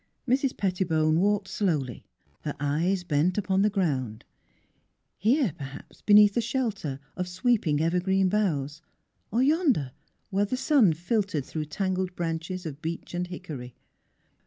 Mrs. Petti bone walked slowly, her eyes bent upon the ground; here, perhaps, beneath the shelter of sweeping evergreen boughs; or, yonder, where the sun filtered through tangled branches of beach and hickory.